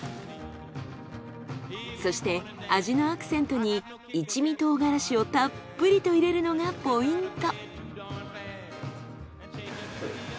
そして味のアクセントに一味唐辛子をたっぷりと入れるのがポイント。